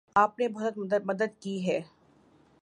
آپ نے بہت مدد کی ہے